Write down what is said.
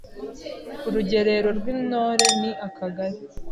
Urugerero rw’Intore ni Akagari